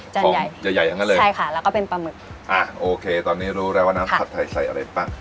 ใหญ่ใหญ่อย่างนั้นเลยใช่ค่ะแล้วก็เป็นปลาหมึกอ่ะโอเคตอนนี้รู้แล้วว่าน้ำผัดไทยใส่อะไรป่ะ